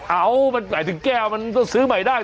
เอ้าไหนถึงแก้วมันก็ซื้อใหม่ได้